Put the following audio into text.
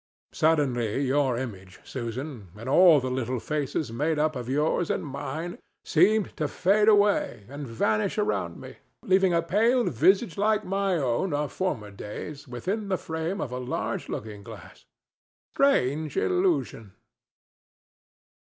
Suddenly your image, Susan, and all the little faces made up of yours and mine, seemed to fade away and vanish around me, leaving a pale visage like my own of former days within the frame of a large looking glass. Strange illusion!